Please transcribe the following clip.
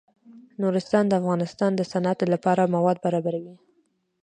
نورستان د افغانستان د صنعت لپاره مواد برابروي.